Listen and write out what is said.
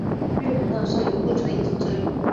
月台上设有候车椅及遮雨棚。